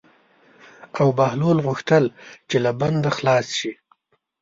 او بهلول غوښتل چې له بنده خلاص شي.